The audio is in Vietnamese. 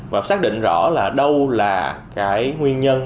và xác định rõ là đâu là cái nguyên nhân